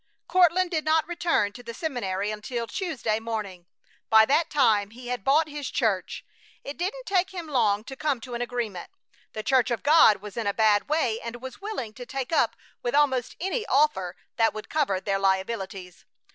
Courtland did not return to the seminary until Tuesday morning. By that time he had bought his church. It didn't take him long to come to an agreement. The Church of God was in a bad way and was willing to take up with almost any offer that would cover their liabilities.